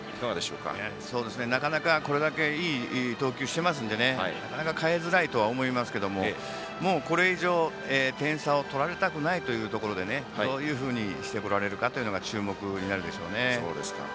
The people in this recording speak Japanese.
なかなかこれだけいい投球をしていますのでなかなか代えづらいとは思いますけども、これ以上点を取られたくないところでどういうふうにしてこられるか注目になるでしょうね。